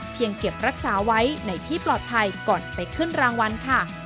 เก็บรักษาไว้ในที่ปลอดภัยก่อนไปขึ้นรางวัลค่ะ